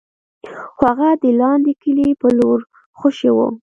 خو هغه د لاندې کلي په لور خوشې و.